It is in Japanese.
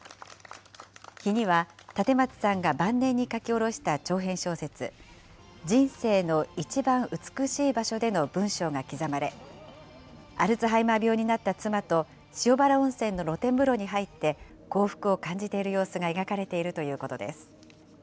碑には立松さんが晩年に書き下ろした長編小説、人生のいちばん美しい場所での文章が刻まれ、アルツハイマー病になった妻と塩原温泉の露天風呂に入って幸福を感じている様子が描かれているということです。